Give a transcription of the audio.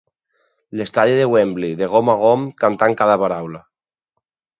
L'estadi de Wembley de gom a gom, cantant cada paraula.